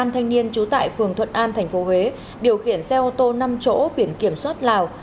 năm thanh niên trú tại phường thuận an tp huế điều khiển xe ô tô năm chỗ biển kiểm soát lào